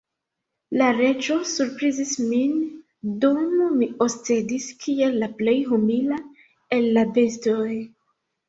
La Reĝo surprizis min, dum mi oscedis kiel la plej humila el la bestoj.